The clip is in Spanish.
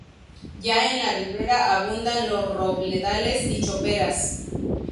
Ya en la ribera abundan los robledales y choperas.